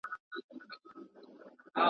د همدې خرقې په زور پهلوانان وه `